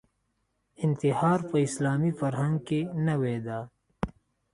انتحار په اسلامي فرهنګ کې نوې ده